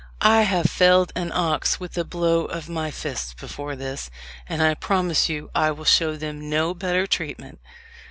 "I have felled an ox with a blow of my fist before this, and I promise you I will show them no better treatment."